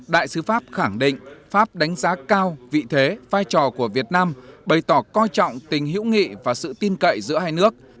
đại sứ pháp khẳng định pháp đánh giá cao vị thế vai trò của việt nam bày tỏ coi trọng tình hữu nghị và sự tin cậy giữa hai nước